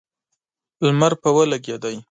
لمر پرې ولګېد.